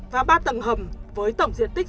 và ba tầng hầm với tổng diện tích